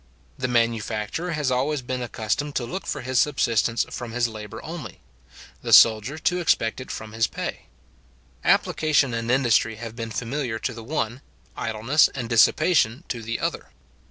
The manufacturer has always been accustomed to look for his subsistence from his labour only; the soldier to expect it from his pay. Application and industry have been familiar to the one; idleness and dissipation to the other.